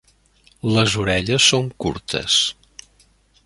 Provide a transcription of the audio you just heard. Les orelles són curtes.